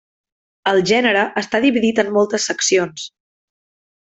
El gènere està dividit en moltes seccions.